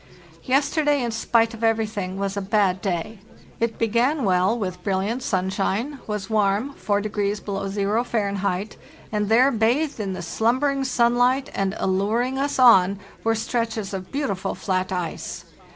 Yesterday, in spite of everything, was a bad day. It be gan well, with brilliant sunshine; was warm (4° below zero Fahr.), and there, bathed in the slumbering sun light and alluring us on, were stretches of beautiful flat ice.